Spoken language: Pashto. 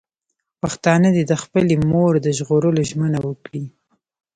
پښتانه دې د خپلې مور د ژغورلو ژمنه وکړي.